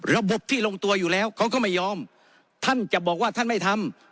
ระบบที่ลงตัวอยู่แล้วเขาก็ไม่ยอมท่านจะบอกว่าท่านไม่ทำ